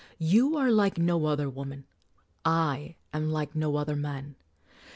You are like no other woman; I am like no other man.